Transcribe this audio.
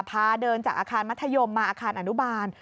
พาเดินจากอาคารมัธยมมาอาคารอนุบาล